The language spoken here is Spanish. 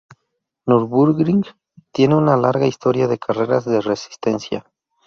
Nürburgring tiene una larga historia de carreras de resistencia.